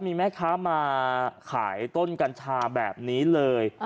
มีแม่ค้ามาขายต้นกัญชาแบบนี้เลย